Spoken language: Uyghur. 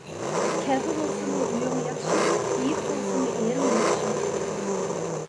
كەپە بولسىمۇ ئۆيۈڭ ياخشى، ئېيىق بولسىمۇ ئېرىڭ ياخشى.